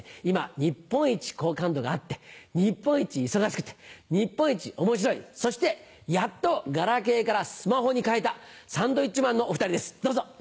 今日本一好感度があって日本一忙しくて日本一面白いそしてやっとガラケーからスマホに変えたサンドウィッチマンのお２人ですどうぞ！